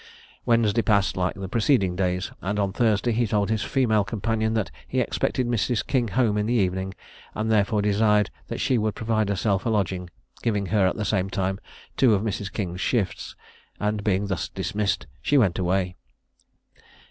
Wednesday passed like the preceding days; and on Thursday he told his female companion that he expected Mrs. King home in the evening, and therefore desired that she would provide herself a lodging, giving her at the same time two of Mrs. King's shifts; and being thus dismissed, she went away.